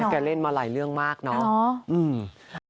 แกเล่นมาหลายเรื่องมากเนาะ